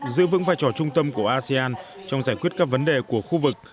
giữ vững vai trò trung tâm của asean trong giải quyết các vấn đề của khu vực